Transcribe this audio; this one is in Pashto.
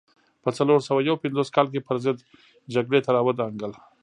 په څلور سوه یو پنځوس کال کې پرضد جګړې ته را ودانګل.